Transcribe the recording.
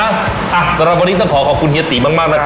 สำหรับวันนี้ต้องขอขอบคุณเฮียติมากนะครับ